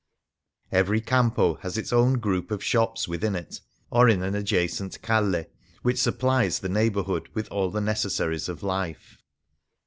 Every campo has its own group of shops within it, or in an adjacent m/Z^, which supplies the neighbourhood with all the necessaries of life.